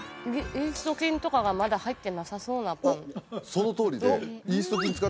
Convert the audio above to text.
イースト菌とかがまだ入ってなさそうなパンおっ